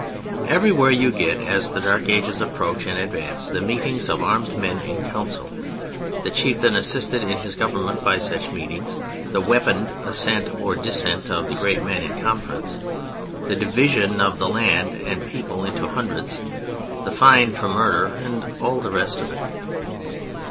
Everywhere you get, as the Dark Ages approach and advance, the meetings of armed men in council, the chieftain assisted in his government by such meetings, the weaponed assent or dissent of the great men in conference, the division of the land and people into "hundreds," the fine for murder, and all the rest of it.